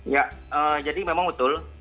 ya jadi memang betul